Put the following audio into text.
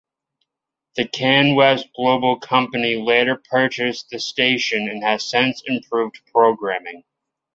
The CanWest Global company later purchased the station and has since improved programming.